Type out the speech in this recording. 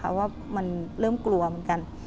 เพราะว่ามันเริ่มกลัวเหมือนกัน